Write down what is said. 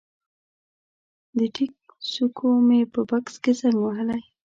د ټیک څوکو مې په بکس کې زنګ وهلی